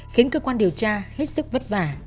khiến cơ quan điều tra hết sức vất vả